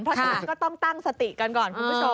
เพราะฉะนั้นก็ต้องตั้งสติกันก่อนคุณผู้ชม